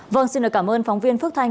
vâng xin cảm ơn phóng viên phước thanh